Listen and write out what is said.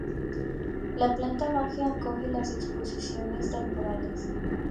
La planta baja acoge las exposiciones temporales.